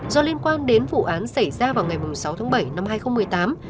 do liên quan đến vụ án xảy ra vào ngày sáu tháng bảy năm hai nghìn một mươi tám